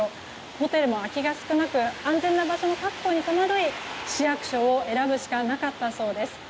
ホテルの空きが少なく安全な場所の確保に伴い市役所を選ぶしかなかったそうです。